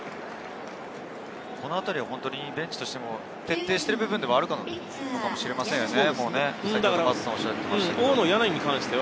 このあたりはベンチとしても徹底している部分ではあるかもしれませんよね。